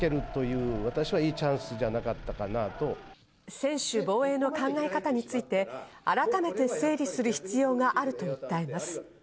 専守防衛の考え方について改めて整理する必要があると訴えます。